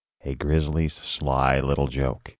XI. A GRIZZLY'S SLY LITTLE JOKE.